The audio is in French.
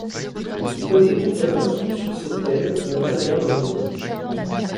Il donne des conférences sur ces thèmes et intervient dans les médias.